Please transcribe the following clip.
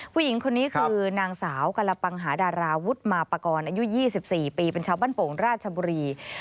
ผู้หญิงคนนี้คือนางสาวกรปังหาดาราวุฒิมาปากรอายุ๒๔ปีเป็นชาวบ้านโป่งราชบุรี